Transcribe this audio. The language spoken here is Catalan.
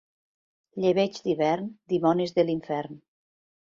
Llebeig d'hivern, dimonis de l'infern.